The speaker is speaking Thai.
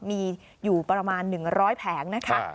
มีอยู่ประมาณ๑๐๐แผงนะคะ